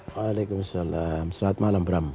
waalaikumsalam selamat malam bram